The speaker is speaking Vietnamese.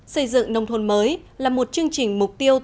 xây dựng nông thôn mới là một chương trình mục tiêu